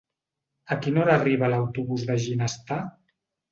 A quina hora arriba l'autobús de Ginestar?